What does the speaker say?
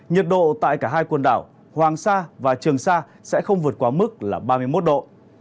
nhiệt độ tại cả hai quần đảo hoàng sa và trường sa sẽ không vượt quá mức là ba mươi một độ